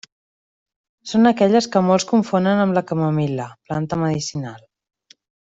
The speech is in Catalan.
Són aquelles que molts confonen amb la camamil·la, planta medicinal.